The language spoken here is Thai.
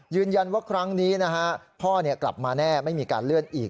ยืนยันว่าครั้งนี้นะฮะพ่อกลับมาแน่ไม่มีการเลื่อนอีก